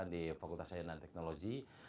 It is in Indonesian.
di fakultas sayangan teknologi